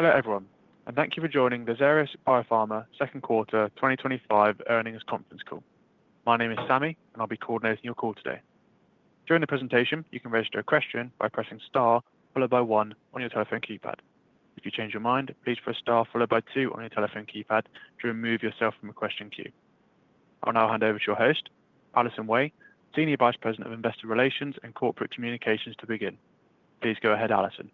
Hello everyone, and thank you for joining the Xeris Biopharma Second Quarter 2025 Earnings Conference Call. My name is Sammy, and I'll be coordinating your call today. During the presentation, you can register a question by pressing star followed by one on your telephone keypad. If you change your mind, please press star followed by two on your telephone keypad to remove yourself from the question queue. I'll now hand over to your host, Allison Wey, Senior Vice President of Investor Relations and Corporate Communications, to begin. Please go ahead, Allison.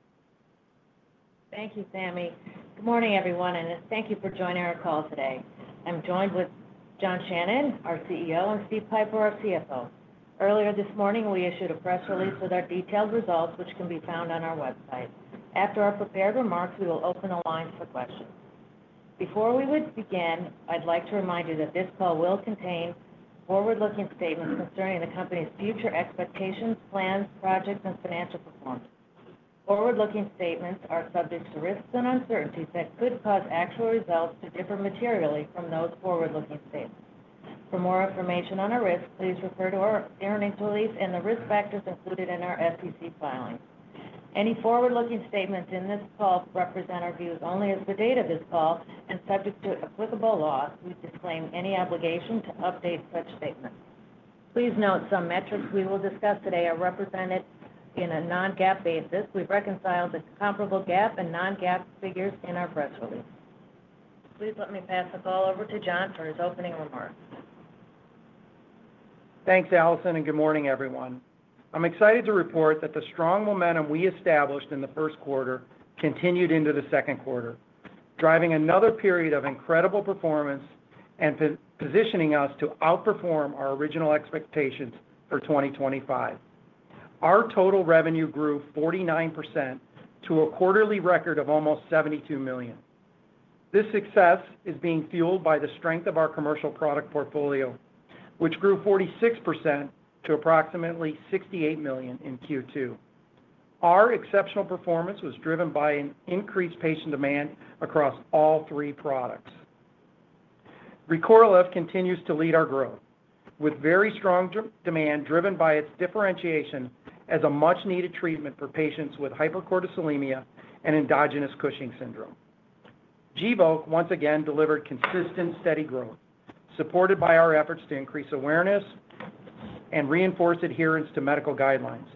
Thank you, Sammy. Good morning everyone, and thank you for joining our call today. I'm joined with John Shannon, our CEO, and Steve Pieper, our CFO. Earlier this morning, we issued a press release with our detailed results, which can be found on our website. After our prepared remarks, we will open the lines for questions. Before we begin, I'd like to remind you that this call will contain forward-looking statements concerning the company's future expectations, plans, projects, and financial performance. Forward-looking statements are subject to risks and uncertainties that could cause actual results to differ materially from those forward-looking statements. For more information on our risks, please refer to our earnings release and the risk factors included in our SEC filing. Any forward-looking statements in this call represent our views only at the date of this call and subject to applicable laws. We disclaim any obligation to update such statements. Please note some metrics we will discuss today are represented in a non-GAAP basis. We've reconciled the comparable GAAP and non-GAAP figures in our press release. Please let me pass the call over to John for his opening remarks. Thanks, Allison, and good morning everyone. I'm excited to report that the strong momentum we established in the first quarter continued into the second quarter, driving another period of incredible performance and positioning us to outperform our original expectations for 2025. Our total revenue grew 49% to a quarterly record of almost $72 million. This success is being fueled by the strength of our commercial product portfolio, which grew 46% to approximately $68 million in Q2. Our exceptional performance was driven by an increased patient demand across all three products. Recorlev continues to lead our growth, with very strong demand driven by its differentiation as a much-needed treatment for patients with hypercortisolemia and endogenous Cushing’s syndrome. GVOKE once again delivered consistent, steady growth, supported by our efforts to increase awareness and reinforce adherence to medical guidelines.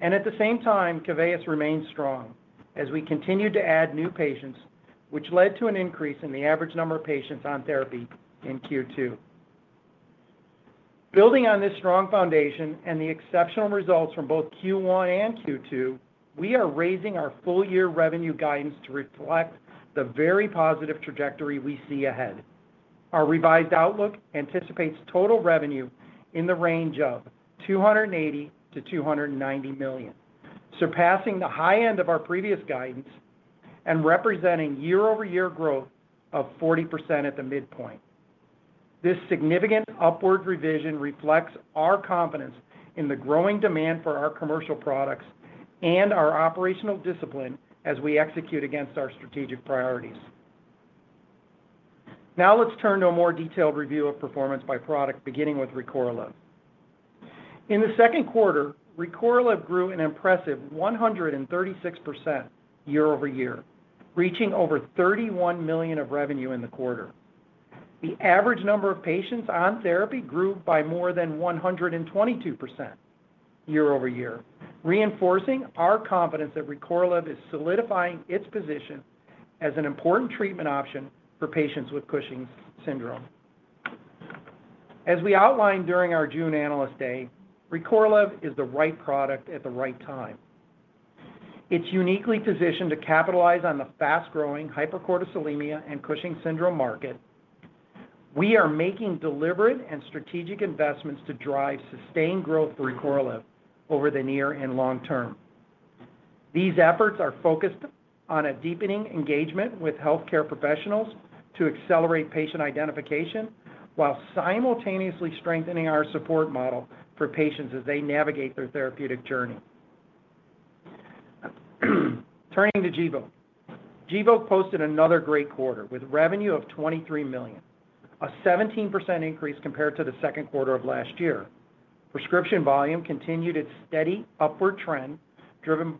At the same time, KEVEYIS remained strong as we continued to add new patients, which led to an increase in the average number of patients on therapy in Q2. Building on this strong foundation and the exceptional results from both Q1 and Q2, we are raising our full-year revenue guidance to reflect the very positive trajectory we see ahead. Our revised outlook anticipates total revenue in the range of $280 million-$290 million, surpassing the high end of our previous guidance and representing year-over-year growth of 40% at the midpoint. This significant upward revision reflects our confidence in the growing demand for our commercial products and our operational discipline as we execute against our strategic priorities. Now let's turn to a more detailed review of performance by product, beginning with Recorlev. In the second quarter, Recorlev grew an impressive 136% year-over-year, reaching over $31 million of revenue in the quarter. The average number of patients on therapy grew by more than 122% year-over-year, reinforcing our confidence that Recorlev is solidifying its position as an important treatment option for patients with Cushing’s syndrome. As we outlined during our June analyst day, Recorlev is the right product at the right time. It's uniquely positioned to capitalize on the fast-growing hypercortisolemia and Cushing’s syndrome market. We are making deliberate and strategic investments to drive sustained growth for Recorlev over the near and long-term. These efforts are focused on deepening engagement with healthcare professionals to accelerate patient identification while simultaneously strengthening our support model for patients as they navigate their therapeutic journey. Turning to GVOKE. GVOKE posted another great quarter with revenue of $23 million, a 17% increase compared to the second quarter of last year. Prescription volume continued its steady upward trend, driven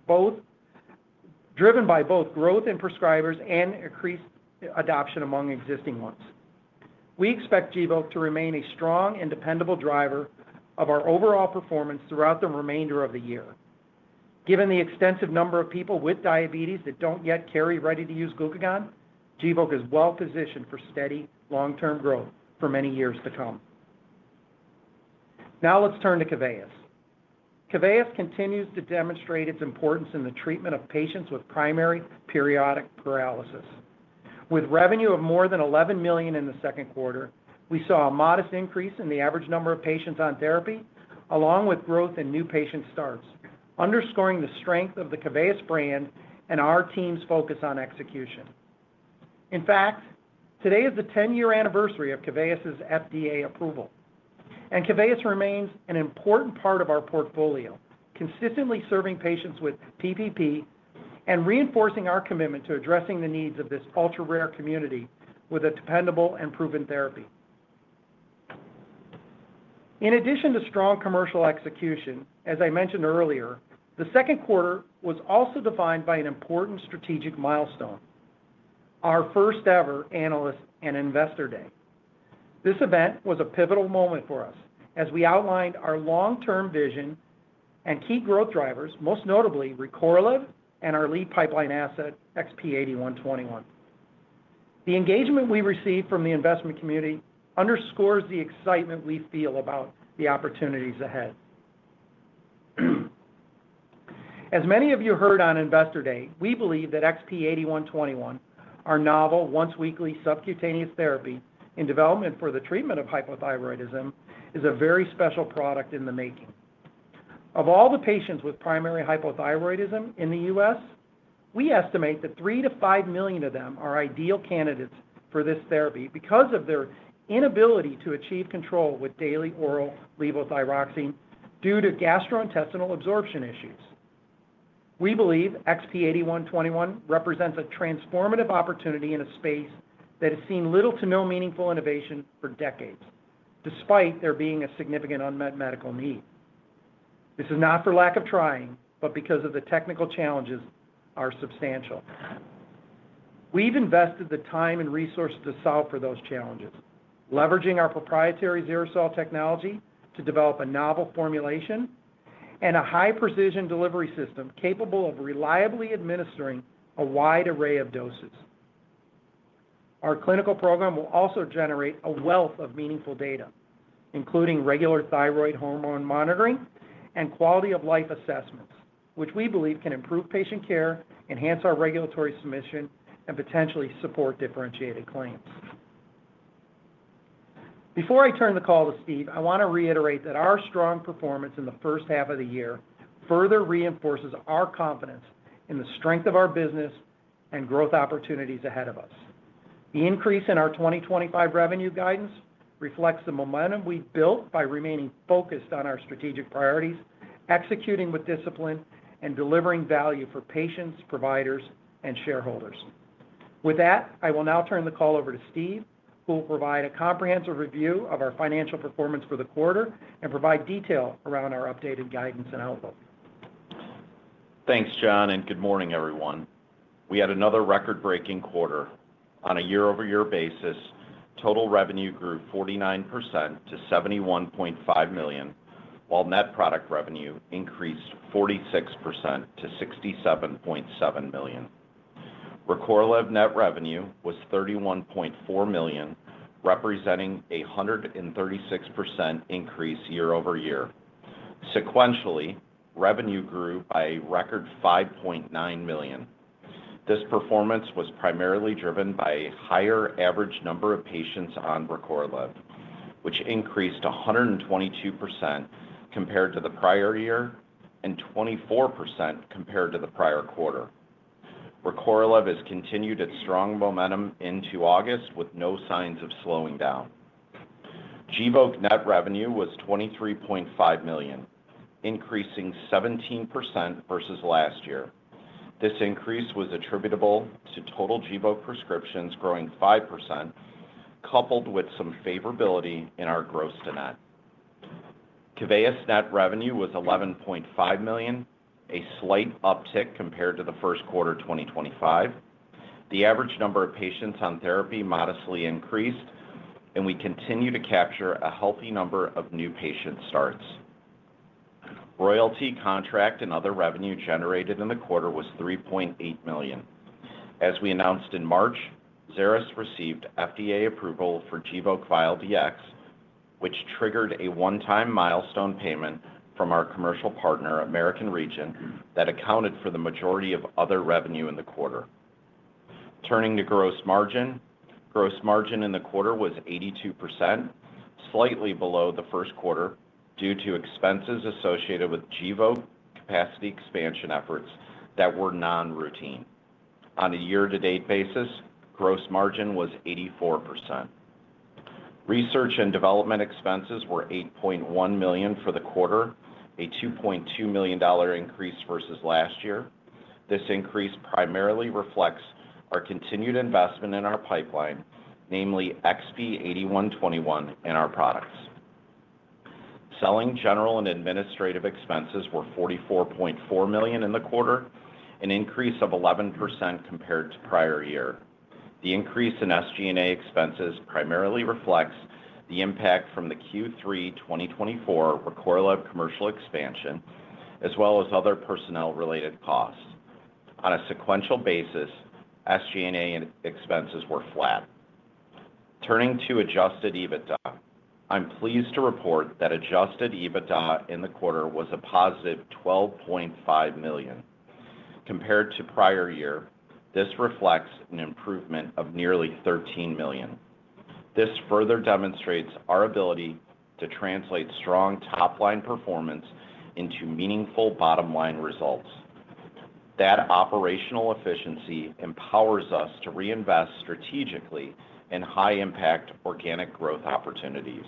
by both growth in prescribers and increased adoption among existing ones. We expect GVOKE to remain a strong and dependable driver of our overall performance throughout the remainder of the year. Given the extensive number of people with diabetes that don't yet carry ready-to-use glucagon, GVOKE is well positioned for steady long-term growth for many years to come. Now let's turn to KEVEYIS. KEVEYIS continues to demonstrate its importance in the treatment of patients with primary periodic paralysis. With revenue of more than $11 million in the second quarter, we saw a modest increase in the average number of patients on therapy, along with growth in new patient starts, underscoring the strength of the KEVEYIS brand and our team's focus on execution. In fact, today is the 10-year anniversary of KEVEYIS' FDA approval, and KEVEYIS remains an important part of our portfolio, consistently serving patients with PPP and reinforcing our commitment to addressing the needs of this ultra-rare community with a dependable and proven therapy. In addition to strong commercial execution, as I mentioned earlier, the second quarter was also defined by an important strategic milestone: our first-ever analyst and investor day. This event was a pivotal moment for us as we outlined our long-term vision and key growth drivers, most notably Recorlev and our lead pipeline asset, XP-8121. The engagement we received from the investment community underscores the excitement we feel about the opportunities ahead. As many of you heard on investor day, we believe that XP-8121, our novel once-weekly subcutaneous therapy in development for the treatment of hypothyroidism, is a very special product in the making. Of all the patients with primary hypothyroidism in the U.S., we estimate that three to five million of them are ideal candidates for this therapy because of their inability to achieve control with daily oral levothyroxine due to gastrointestinal absorption issues. We believe XP-8121 represents a transformative opportunity in a space that has seen little to no meaningful innovation for decades, despite there being a significant unmet medical need. This is not for lack of trying, but because the technical challenges are substantial. We've invested the time and resources to solve for those challenges, leveraging our proprietary XeriSol technology to develop a novel formulation and a high-precision delivery system capable of reliably administering a wide array of doses. Our clinical program will also generate a wealth of meaningful data, including regular thyroid hormone monitoring and quality of life assessments, which we believe can improve patient care, enhance our regulatory submission, and potentially support differentiated claims. Before I turn the call to Steve, I want to reiterate that our strong performance in the first half of the year further reinforces our confidence in the strength of our business and growth opportunities ahead of us. The increase in our 2025 revenue guidance reflects the momentum we've built by remaining focused on our strategic priorities, executing with discipline, and delivering value for patients, providers, and shareholders. With that, I will now turn the call over to Steve, who will provide a comprehensive review of our financial performance for the quarter and provide detail around our updated guidance and outlook. Thanks, John, and good morning everyone. We had another record-breaking quarter. On a year-over-year basis, total revenue grew 49% million-$71.5 million, while net product revenue increased 46% to $67.7 million. Recorlev net revenue was $31.4 million, representing a 136% increase year-over-year. Sequentially, revenue grew by a record $5.9 million. This performance was primarily driven by a higher average number of patients on Recorlev, which increased 122% compared to the prior year and 24% compared to the prior quarter. Recorlev has continued its strong momentum into August with no signs of slowing down. GVOKE net revenue was $23.5 million, increasing 17% versus last year. This increase was attributable to total GVOKE prescriptions growing 5%, coupled with some favorability in our gross-to-net. KEVEYIS net revenue was $11.5 million, a slight uptick compared to the first quarter of 2025. The average number of patients on therapy modestly increased, and we continue to capture a healthy number of new patient starts. Royalty, contract, and other revenue generated in the quarter was $3.8 million. As we announced in March, Xeris received FDA approval for GVOKE Vial DX, which triggered a one-time milestone payment from our commercial partner, American Regent, that accounted for the majority of other revenue in the quarter. Turning to gross margin, gross margin in the quarter was 82%, slightly below the first quarter due to expenses associated with GVOKE capacity expansion efforts that were non-routine. On a year-to-date basis, gross margin was 84%. Research and development expenses were $8.1 million for the quarter, a $2.2 million increase versus last year. This increase primarily reflects our continued investment in our pipeline, namely XP-8121 and our products. Selling, general, and administrative expenses were $44.4 million in the quarter, an increase of 11% compared to prior year. The increase in SG&A expenses primarily reflects the impact from the Q3 2024 Recorlev commercial expansion, as well as other personnel-related costs. On a sequential basis, SG&A expenses were flat. Turning to adjusted EBITDA, I'm pleased to report that adjusted EBITDA in the quarter was a +$12.5 million. Compared to prior year, this reflects an improvement of nearly $13 million. This further demonstrates our ability to translate strong top-line performance into meaningful bottom-line results. That operational efficiency empowers us to reinvest strategically in high-impact organic growth opportunities.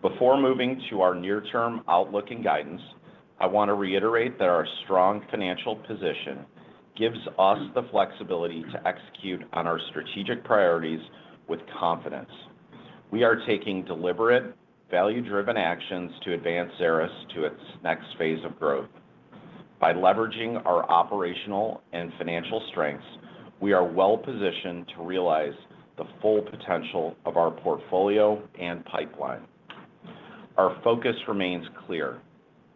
Before moving to our near-term outlook and guidance, I want to reiterate that our strong financial position gives us the flexibility to execute on our strategic priorities with confidence. We are taking deliberate, value-driven actions to advance Xeris to its next phase of growth. By leveraging our operational and financial strengths, we are well positioned to realize the full potential of our portfolio and pipeline. Our focus remains clear: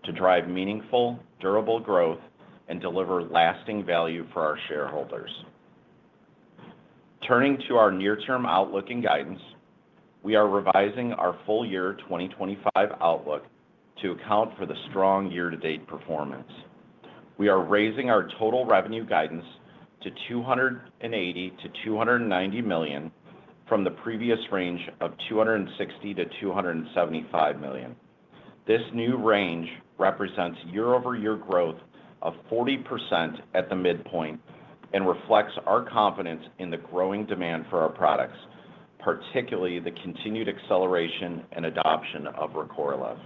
to drive meaningful, durable growth and deliver lasting value for our shareholders. Turning to our near-term outlook and guidance, we are revising our full-year 2025 outlook to account for the strong year-to-date performance. We are raising our total revenue guidance to $280 million-$290 million from the previous range of $260 million-$275 million. This new range represents year-over-year growth of 40% at the midpoint and reflects our confidence in the growing demand for our products, particularly the continued acceleration and adoption of Recorlev.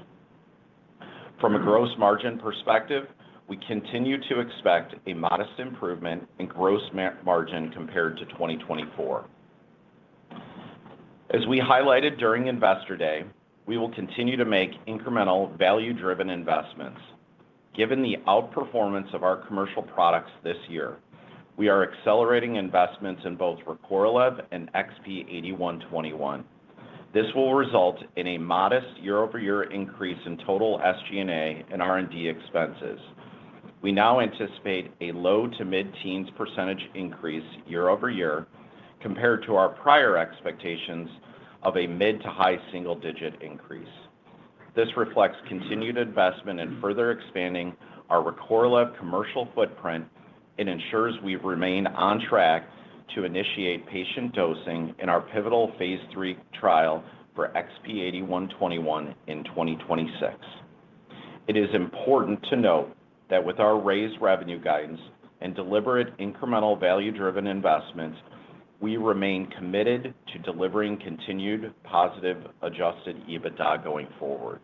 From a gross margin perspective, we continue to expect a modest improvement in gross margin compared to 2024. As we highlighted during investor day, we will continue to make incremental value-driven investments. Given the outperformance of our commercial products this year, we are accelerating investments in both Recorlev and XP-8121. This will result in a modest year-over-year increase in total SG&A and R&D expenses. We now anticipate a low to mid-teens percentage increase year-over-year compared to our prior expectations of a mid to high single-digit increase. This reflects continued investment in further expanding our Recorlev commercial footprint and ensures we remain on track to initiate patient dosing in our pivotal phase III trial for XP-8121 in 2026. It is important to note that with our raised revenue guidance and deliberate incremental value-driven investments, we remain committed to delivering continued positive adjusted EBITDA going forward.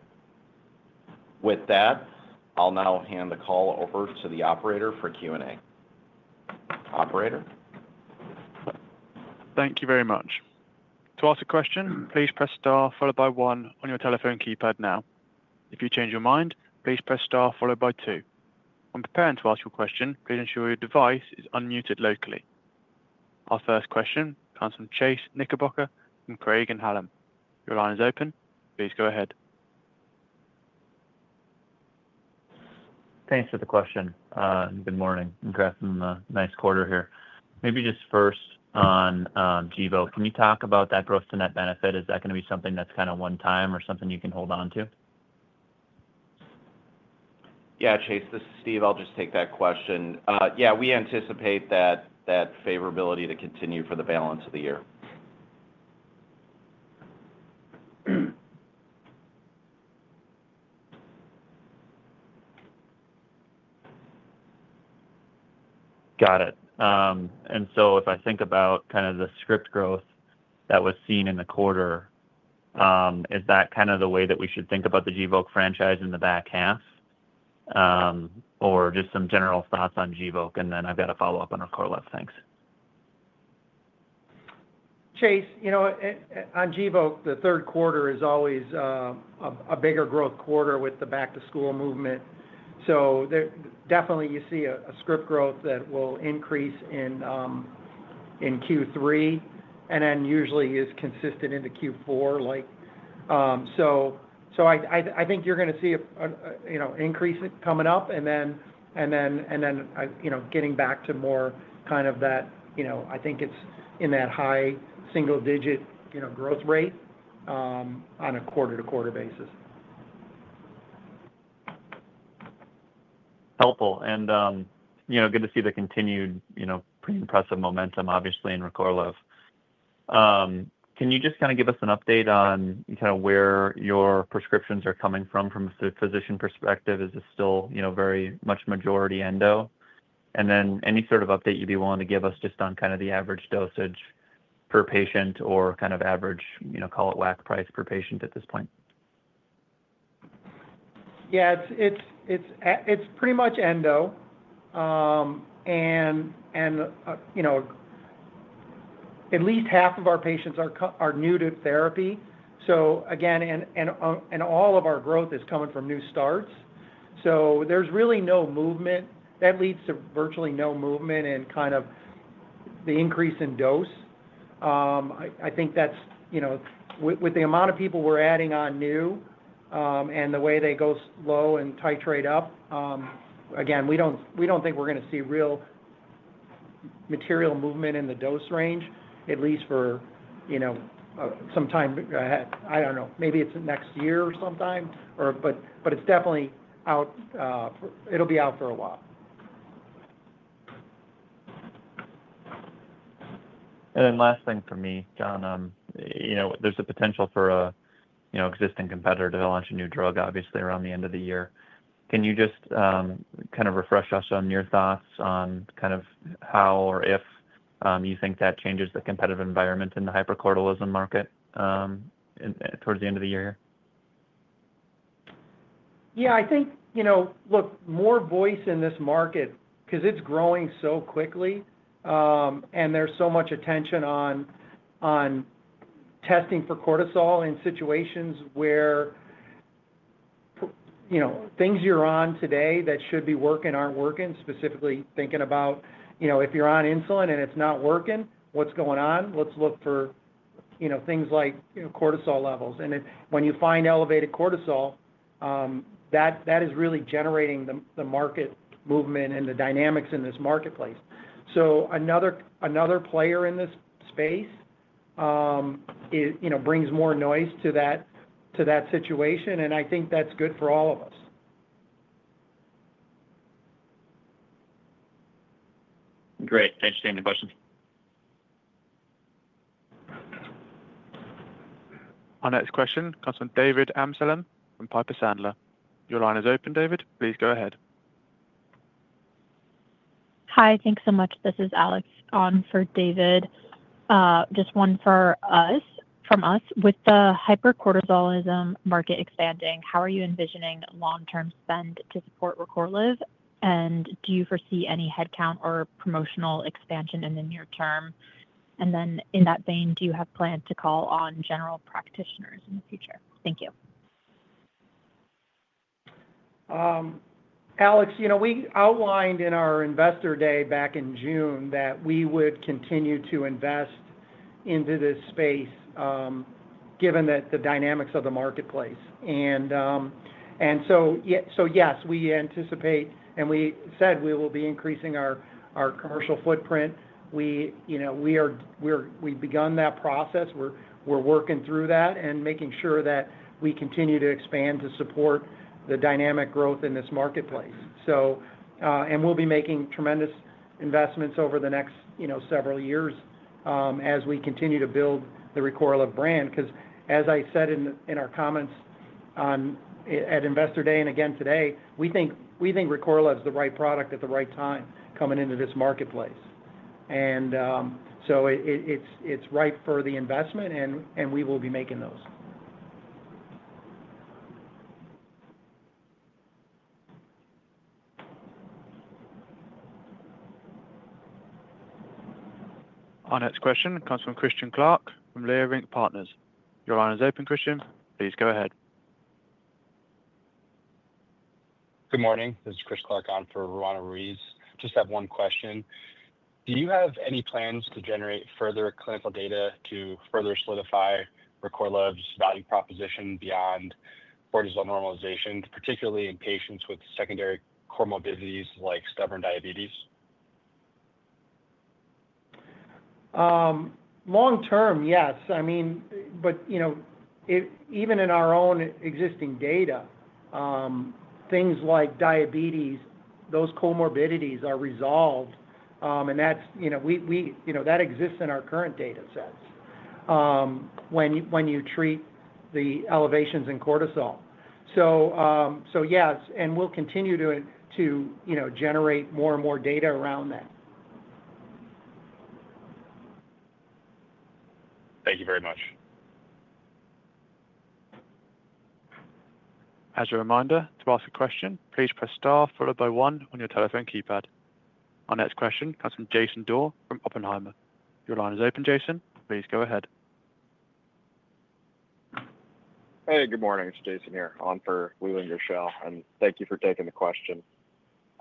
With that, I'll now hand the call over to the operator for Q&A. Operator? Thank you very much. To ask a question, please press star followed by one on your telephone keypad now. If you change your mind, please press star followed by two. When preparing to ask your question, please ensure your device is unmuted locally. Our first question comes from Chase Knickerbocker from Craig-Hallum. Your line is open. Please go ahead. Thanks for the question and good morning. Congrats on the nice quarter here. Maybe just first on GVOKE, can you talk about that gross-to-net benefit? Is that going to be something that's kind of one-time or something you can hold on to? Yeah, Chase, this is Steve. I'll just take that question. Yeah, we anticipate that favorability to continue for the balance of the year. Got it. If I think about kind of the script growth that was seen in the quarter, is that kind of the way that we should think about the GVOKE franchise in the back half? Just some general thoughts on GVOKE, and then I've got to follow up on Recorlev. Thanks. Chase, you know on GVOKE, the third quarter is always a bigger growth quarter with the back-to-school movement. You definitely see a script growth that will increase in Q3 and then usually is consistent into Q4. I think you're going to see an increase coming up and then, you know, getting back to more kind of that, you know, I think it's in that high single-digit, you know, growth rate on a quarter-to-quarter basis. Helpful. Good to see the continued, pretty impressive momentum, obviously, in Recorlev. Can you just give us an update on where your prescriptions are coming from from a physician perspective? Is this still very much majority endo? Any sort of update you'd be willing to give us just on the average dosage per patient or average, call it, WAC price per patient at this point? Yeah, it's pretty much endo. At least half of our patients are new to therapy. Again, all of our growth is coming from new starts, so there's really no movement that leads to virtually no movement in kind of the increase in dose. I think that's, you know, with the amount of people we're adding on new and the way they go low and titrate up, we don't think we're going to see real material movement in the dose range, at least for some time. I don't know, maybe it's next year or sometime, but it's definitely out. It'll be out for a while. Last thing for me, John, there's a potential for an existing competitor to launch a new drug, obviously, around the end of the year. Can you just kind of refresh us on your thoughts on how or if you think that changes the competitive environment in the hypercortisolemia market towards the end of the year here? Yeah, I think, you know, more voice in this market because it's growing so quickly and there's so much attention on testing for cortisol in situations where, you know, things you're on today that should be working aren't working, specifically thinking about, you know, if you're on insulin and it's not working, what's going on? Let's look for, you know, things like cortisol levels. When you find elevated cortisol, that is really generating the market movement and the dynamics in this marketplace. Another player in this space brings more noise to that situation, and I think that's good for all of us. Great. Thanks, Sammy. Questions? Our next question comes from David Amsellem from Piper Sandler. Your line is open, David. Please go ahead. Hi, thanks so much. This is Alex on for David. Just one for us, from us. With the hypercortisolemia market expanding, how are you envisioning long-term spend to support Recorlev? Do you foresee any headcount or promotional expansion in the near term? In that vein, do you have plans to call on general practitioners in the future? Thank you. Alex, you know, we outlined in our investor day back in June that we would continue to invest into this space, given the dynamics of the marketplace. Yes, we anticipate, and we said we will be increasing our commercial footprint. We are, we've begun that process. We're working through that and making sure that we continue to expand to support the dynamic growth in this marketplace. We'll be making tremendous investments over the next several years as we continue to build the Recorlev brand. Because as I said in our comments at investor day and again today, we think Recorlev is the right product at the right time coming into this marketplace. It's right for the investment, and we will be making those. Our next question comes from Christian Clark from Leerink Partners. Your line is open, Christian. Please go ahead. Good morning. This is Chris Clark on for Ruanna Ruiz. Just have one question. Do you have any plans to generate further clinical data to further solidify Recorlev's value proposition beyond cortisol normalization, particularly in patients with secondary comorbidities like stubborn diabetes? Long-term, yes. I mean, even in our own existing data, things like diabetes, those comorbidities are resolved. That's, you know, that exists in our current data sets when you treat the elevations in cortisol. Yes, we'll continue to generate more and more data around that. Thank you very much. As a reminder, to ask a question, please press star followed by one on your telephone keypad. Our next question comes from Jason Dorr from Oppenheimer. Your line is open, Jason. Please go ahead. Hey, good morning. It's Jason here on for Lulinger Shell, and thank you for taking the question.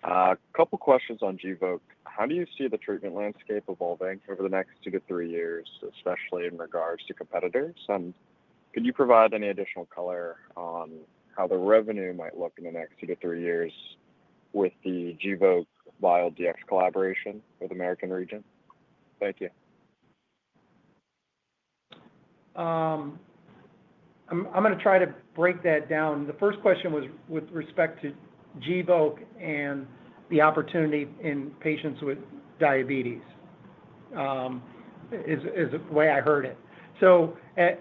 A couple of questions on GVOKE. How do you see the treatment landscape evolving over the next two to three years, especially in regards to competitors? Can you provide any additional color on how the revenue might look in the next two to three years with the GVOKE VialDX collaboration with American Regent? Thank you. I'm going to try to break that down. The first question was with respect to GVOKE and the opportunity in patients with diabetes, is the way I heard it.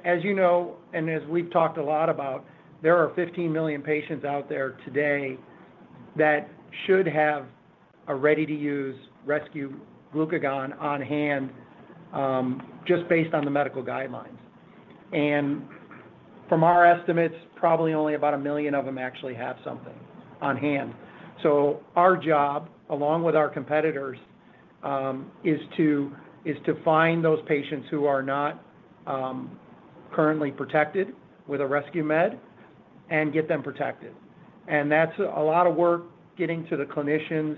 As you know, and as we've talked a lot about, there are 15 million patients out there today that should have a ready-to-use rescue glucagon on hand just based on the medical guidelines. From our estimates, probably only about a million of them actually have something on hand. Our job, along with our competitors, is to find those patients who are not currently protected with a rescue med and get them protected. That's a lot of work getting to the clinicians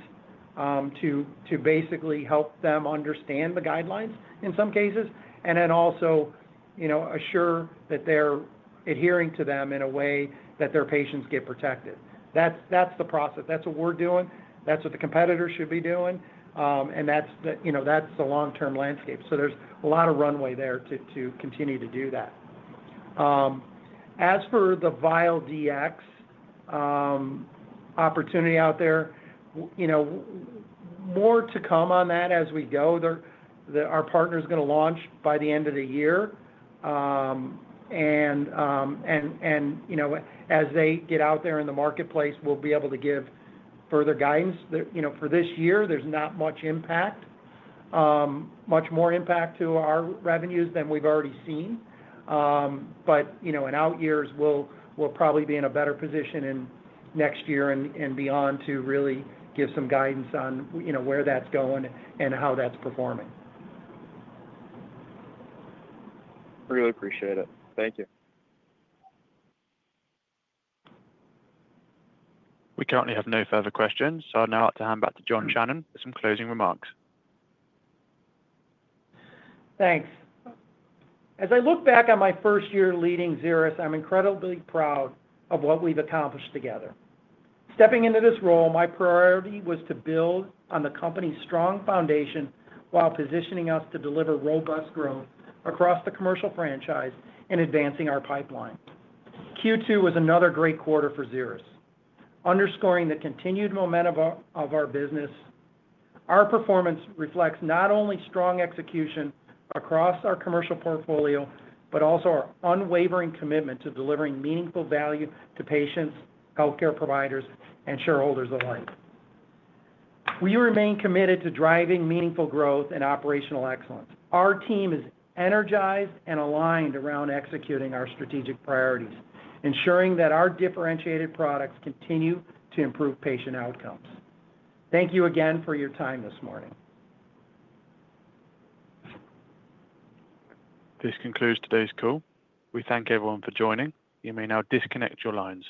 to basically help them understand the guidelines in some cases, and then also, you know, assure that they're adhering to them in a way that their patients get protected. That's the process. That's what we're doing. That's what the competitors should be doing. That's the long-term landscape. There's a lot of runway there to continue to do that. As for the VialDX opportunity out there, more to come on that as we go. Our partner is going to launch by the end of the year. As they get out there in the marketplace, we'll be able to give further guidance. For this year, there's not much more impact to our revenues than we've already seen. In out years, we'll probably be in a better position next year and beyond to really give some guidance on where that's going and how that's performing. Really appreciate it. Thank you. We currently have no further questions, so I'll now hand back to John Shannon for some closing remarks. Thanks. As I look back on my first year leading Xeris, I'm incredibly proud of what we've accomplished together. Stepping into this role, my priority was to build on the company's strong foundation while positioning us to deliver robust growth across the commercial franchise and advancing our pipeline. Q2 was another great quarter for Xeris, underscoring the continued momentum of our business. Our performance reflects not only strong execution across our commercial portfolio, but also our unwavering commitment to delivering meaningful value to patients, healthcare providers, and shareholders alike. We remain committed to driving meaningful growth and operational excellence. Our team is energized and aligned around executing our strategic priorities, ensuring that our differentiated products continue to improve patient outcomes. Thank you again for your time this morning. This concludes today's call. We thank everyone for joining. You may now disconnect your lines.